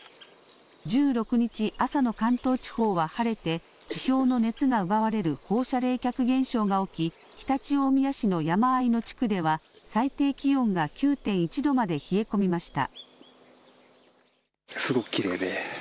１６日朝の関東地方は晴れて地表の熱が奪われる放射冷却現象が起き常陸大宮市の山あいの地区では最低気温が９．１度まで冷え込みました。